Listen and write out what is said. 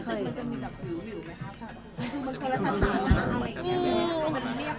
มันจะมีแบบหรือไม่รู้ไหมครับค่ะ